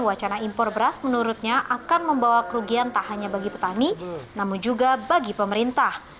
wacana impor beras menurutnya akan membawa kerugian tak hanya bagi petani namun juga bagi pemerintah